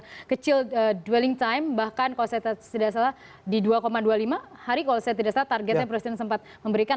pesawat kecil dwelling time bahkan kalau saya tidak salah di dua dua puluh lima hari kalau saya tidak salah targetnya presiden sempat memberikan